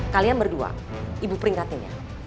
kalian berdua ibu peringkatin ya